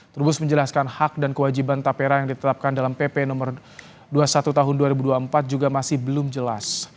terubus menjelaskan hak dan kewajiban tapera yang ditetapkan dalam pp nomor dua puluh satu tahun dua ribu dua puluh empat juga masih belum jelas